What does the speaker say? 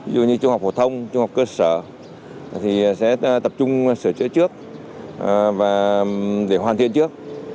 ví dụ như trường học phổ thông trường học cơ sở thì sẽ tập trung sửa chữa trước và để hoàn thiện trước